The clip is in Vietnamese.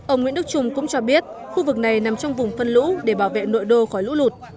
ông nguyễn đức trung cũng cho biết khu vực này nằm trong vùng phân lũ để bảo vệ nội đô khỏi lũ lụt